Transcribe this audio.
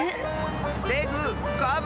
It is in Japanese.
レグカブ。